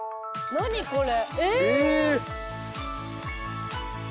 何これ。